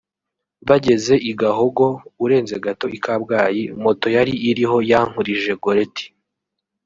Bageze i Gahogo (urenze gato i Kabgayi) moto yari iriho Yankurije Goretti